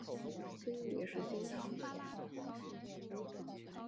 心里也是心疼